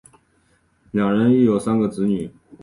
两人育有三个子女。